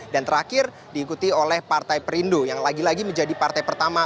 dan terakhir diikuti oleh partai perindu yang lagi lagi menjadi partai pertama